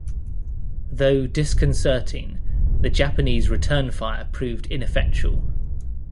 Though disconcerting, the Japanese return fire proved ineffectual.